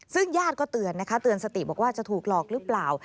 ซึ่งญาติก็เตือนนะคะเตือนสติบอกว่าจะถูกหลอกหรือเปล่า